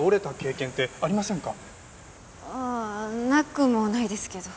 ああなくもないですけど。